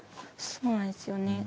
そうなんですよね。